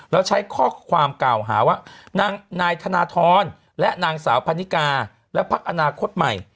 แล้วใช้ข้อความกล่าวหาว่านายธนทรและนางสาวพันนิกาและพักอนาคตใหม่